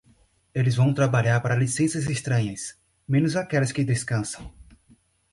Eles vão trabalhar para licenças estranhas, menos aquelas que descansam.